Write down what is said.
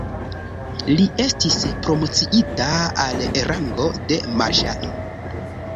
Li estis promociita al rango de marŝalo.